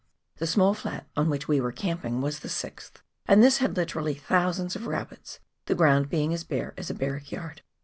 The small flat on which we were camping was the sixth, and this had literally thousands of rabbits, the ground being as bare as a barrack yard.